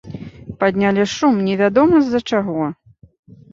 Паднялі шум невядома з-за чаго!